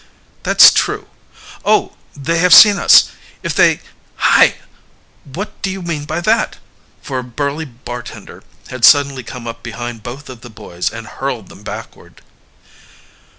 "That's true. Oh! they have seen us! If they hi! what do you mean by that?" For a burly bartender had suddenly come up behind both of the boys and hurled them backward.